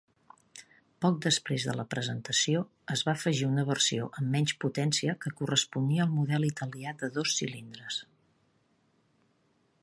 Poc després de la presentació, es va afegir una versió amb menys potència que corresponia al model italià de dos cilindres.